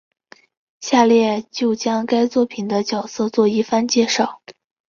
下列就将该作品的角色做一番介绍。